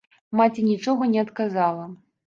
Маці нічога не адказала.